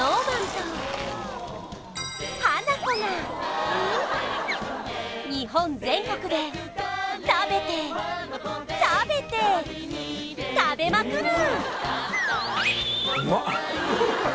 ＳｎｏｗＭａｎとハナコが日本全国で食べて食べて食べまくる！